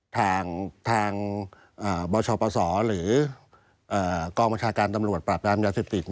ทางเบาชอปสหรือกองการประชากรตำรวจปรับยามยาวสิบติศ